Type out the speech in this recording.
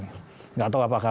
tidak tahu apakah